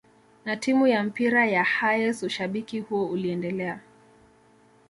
na timu ya mpira ya Hayes ushabiki huo uliendelea